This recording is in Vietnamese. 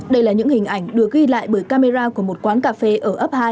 đây là những hình ảnh được ghi lại bởi camera của một quán cà phê ở ấp hai